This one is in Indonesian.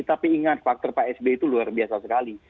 tapi ingat faktor pak sby itu luar biasa sekali